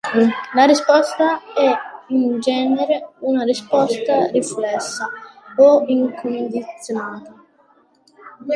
La risposta è in genere una risposta riflessa o incondizionata.